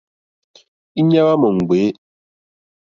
Íɲá hwá mò ŋɡbè.